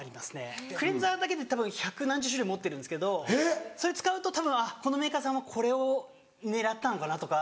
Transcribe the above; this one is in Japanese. クレンザーだけでたぶん百何十種類持ってるんですけどそれ使うとこのメーカーさんはこれを狙ったのかなとか。